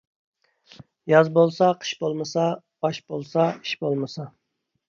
ياز بولسا قىش بولمىسا، ئاش بولسا ئىش بولمىسا.